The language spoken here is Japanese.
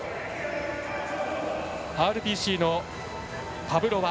ＲＰＣのパブロワ。